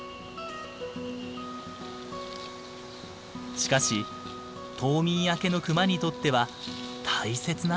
しかし冬眠明けのクマにとっては大切な食料です。